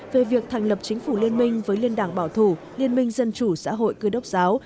về việc thành lập chính phủ liên minh với liên đảng bảo thủ liên minh dân chủ xã hội cơ đốc giáo